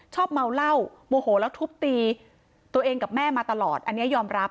เมาเหล้าโมโหแล้วทุบตีตัวเองกับแม่มาตลอดอันนี้ยอมรับ